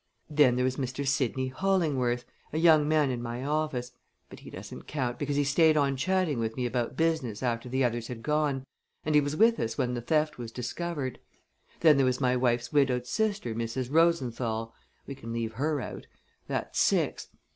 Then there was Mr. Sidney Hollingworth, a young man in my office; but he doesn't count, because he stayed on chatting with me about business after the others had gone, and he was with us when the theft was discovered. Then there was my wife's widowed sister, Mrs. Rosenthal. We can leave her out. That's six.